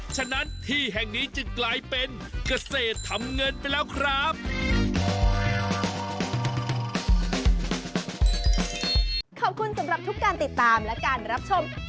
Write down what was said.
ฉะนั้นที่แห่งนี้จึงกลายเป็นเกษตรทำเงินไปแล้วครับ